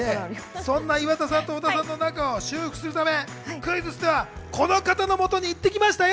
そんな岩田さんと小田さんの仲を修復するため、クイズッスでは、この方のもとに行ってきましたよ。